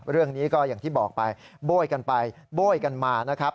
เรื่องนี้ก็อย่างที่บอกไปโบ้ยกันไปโบ้ยกันมานะครับ